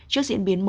trước diễn biến mới